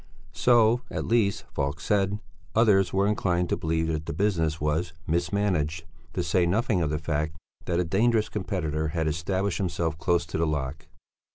So, at least, Falk said; others were inclined to believe that the business was mismanaged; to say nothing of the fact that a dangerous competitor had established himself close to the lock.